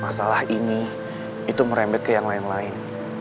masalah ini itu merembet ke yang lain lain